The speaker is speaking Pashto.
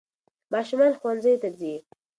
ماشومان ښوونځیو ته ځي.